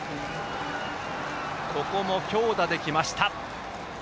ここも強打できました。